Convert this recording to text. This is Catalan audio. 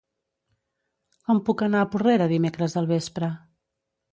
Com puc anar a Porrera dimecres al vespre?